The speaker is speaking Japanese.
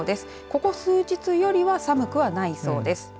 ここ数日よりは寒くはないそうです。